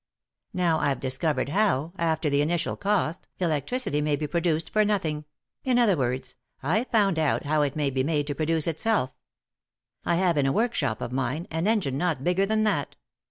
Now I've discovered how, after the initial cost, electricity may be produced for nothing; in other words, I've found out how it may be made to produce itself. I have, in a workshop of mine, an engine not bigger than that."